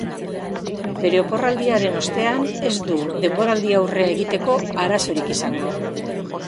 Bere oporraldiaren ostean ez du denboraldiaurrea egiteko arazorik izango.